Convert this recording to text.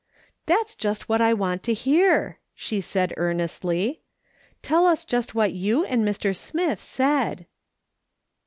"That's just what I want to hear," she said earnestly. " Tell us j ust what you and Mr. Smith said."